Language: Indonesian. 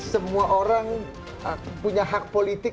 semua orang punya hak politik